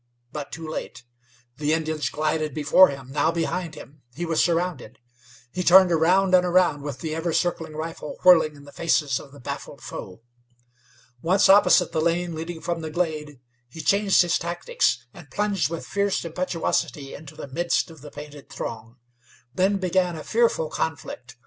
But too late! The Indians glided before him, now behind him; he was surrounded. He turned around and around, with the ever circling rifle whirling in the faces of the baffled foe. Once opposite the lane leading from the glade he changed his tactics, and plunged with fierce impetuosity into the midst of the painted throng. Then began a fearful conflict.